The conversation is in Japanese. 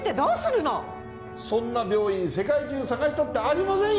そんな病院世界中探したってありませんよ！